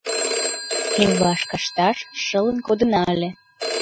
Леваш кашташ шылын кодына ыле.